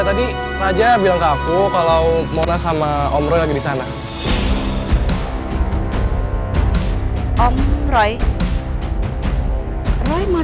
dan kamu ini bukan siapa siapanya